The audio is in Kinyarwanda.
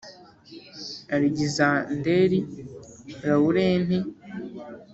alegisanderi, lawurenti